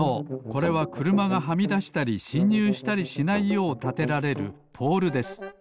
これはくるまがはみだしたりしんにゅうしたりしないようたてられるポールです。